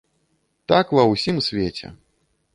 Так ва ўсім свеце.